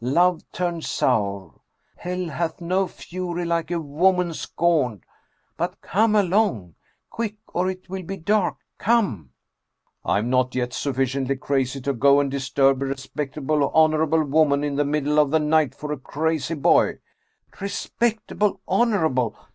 Love turned sour. ' Hell hath no fury like a woman scorned/ But come along ! Quick, or it will be dark. Come !"" I am not yet sufficiently crazy to go and disturb a re spectable honorable woman in the middle of the night for a crazy boy !" 173 Russian Mystery Stories " Respectable, honorable